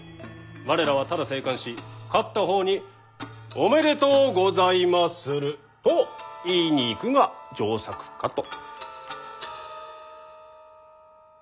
我らはただ静観し勝った方に「おめでとうございまする」と言いに行くが上策かと。